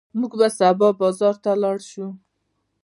موږ به سبا بازار ته لاړ شو.